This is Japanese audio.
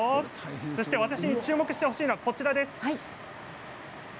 そして、私注目してほしいのはこちらです。